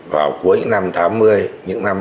vào cuối những năm tám mươi những năm chín mươi